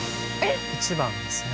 １番ですね。